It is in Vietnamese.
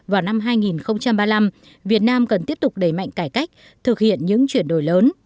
vào năm hai nghìn ba mươi năm việt nam cần tiếp tục đẩy mạnh cải cách thực hiện những chuyển đổi lớn